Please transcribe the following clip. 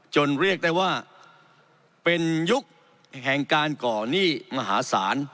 เรียกได้ว่าเป็นยุคแห่งการก่อหนี้มหาศาล